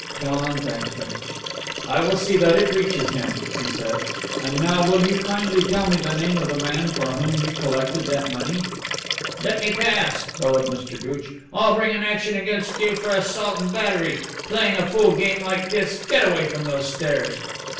John thanked him. "I will see that it reaches him," he said. "And now will you kindly tell me the name of the man for whom you collected that money?" "Let me pass," bellowed Mr. Gooch. "I'll bring an action against you for assault and battery. Playing a fool game like this! Get away from those stairs."